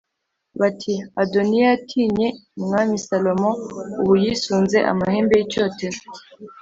bati “Adoniya yatinye Umwami Salomo ubu yisunze amahembe y’icyotero